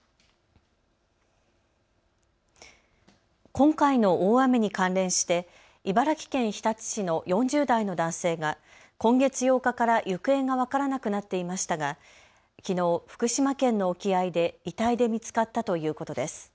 今回の大雨に関連して茨城県日立市の４０代の男性が今月８日から行方が分からなくなっていましたがきのう福島県の沖合で遺体で見つかったということです。